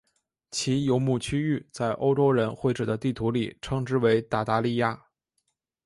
其游牧区域在欧洲人绘制的地图里称之为鞑靼利亚。